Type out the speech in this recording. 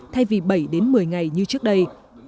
thay vì bảy đến một mươi ngày như trước đây